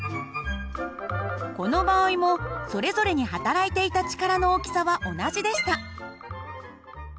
この場合もそれぞれにはたらいていた力の大きさは同じでした。